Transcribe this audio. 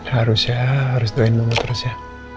harusnya harus doain banget terus ya